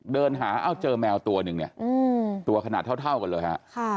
เดินหาเอ้าเจอแมวตัวหนึ่งเนี่ยตัวขนาดเท่ากันเลยฮะ